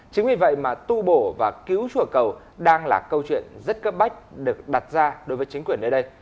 chính vì vậy mà tu bổ và cứu chùa cầu đang là câu chuyện rất cấp bách được đặt ra đối với chính quyền nơi đây